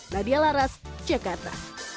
nadia laras jakarta